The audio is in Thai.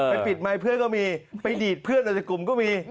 ปิดไมค์เพื่อนก็มีไปดีดเพื่อนออกจากกลุ่มก็มี